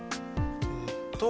えっと